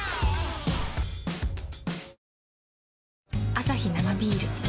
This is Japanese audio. アサヒ生ビール